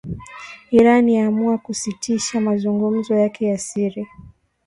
Iran yaamua kusitisha mazungumzo yake ya siri